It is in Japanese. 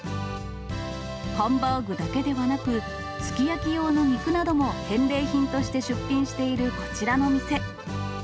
ハンバーグだけではなく、すき焼き用の肉なども返礼品として出品しているこちらの店。